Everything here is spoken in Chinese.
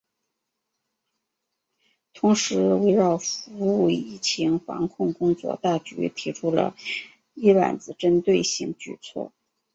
同时围绕服务疫情防控工作大局提出了“一揽子”针对性举措